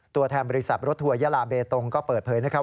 ตัวแทนบริษัทรถทัวยาลาเบตงก็เปิดเผยนะครับ